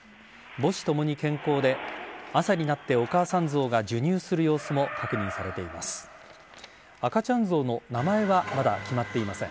母子ともに健康で朝になってお母さんゾウが授乳する様子も確認されています。